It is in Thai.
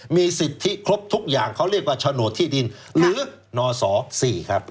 มีสิทธิครบทุกอย่างเขาเรียกว่าโฉนดที่ดินหรือนศ๔ครับ